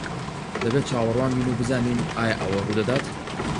دەبێت چاوەڕوان بین و بزانین ئایا ئەوە ڕوودەدات.